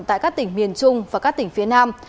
tại các tỉnh miền trung và các tỉnh phía nam